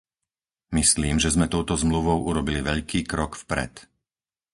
Myslím, že sme touto Zmluvou urobili veľký krok vpred.